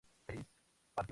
hayáis partido